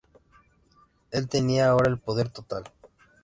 Él tenía ahora el poder total.